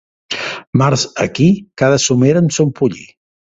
Març aquí, cada somera amb son pollí.